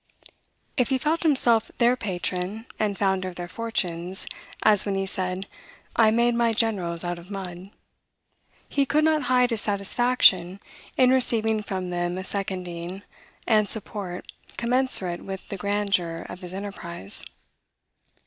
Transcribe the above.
If he felt himself their patron, and founder of their fortunes, as when he said, "I made my generals out of mud," he could not hide his satisfaction in receiving from them a seconding and support commensurate with the grandeur of his enterprise.